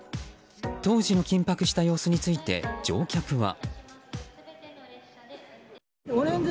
当時の緊迫した様子について乗客は。